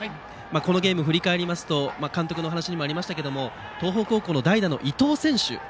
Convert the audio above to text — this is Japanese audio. このゲームを振り返りますと監督のお話にもありましたが東邦高校の代打の伊藤選手。